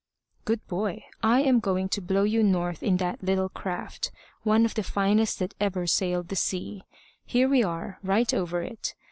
"Good boy! I am going to blow you north in that little craft, one of the finest that ever sailed the sea. Here we are, right over it.